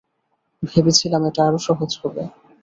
ভেবেছিলাম এটা আরো সহজ হবে।